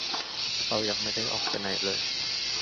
เรายังไม่ได้ออกไปไหนเลย